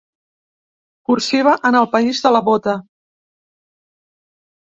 Cursiva en el país de la bota.